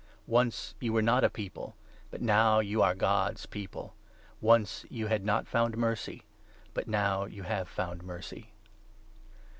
Once 10 you were ' not a people,' but now you are ' God's People '; once you ' had not found mercy,' but now you ' have found mercy.'